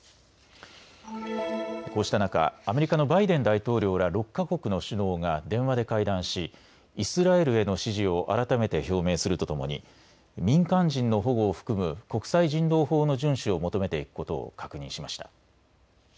こうした中、アメリカのバイデン大統領ら６か国の首脳が電話で会談し、イスラエルへの支持を改めて表明するとともに民間人の保護を含む国際人道法の順守を求めていくことを確認しました。